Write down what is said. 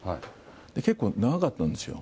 結構長かったんですよ。